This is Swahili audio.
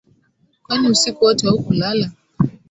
Kwani usiku wote haukulala